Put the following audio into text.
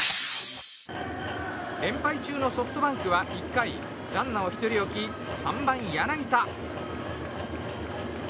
連敗中のソフトバンクはランナーを１人置き３番、柳田。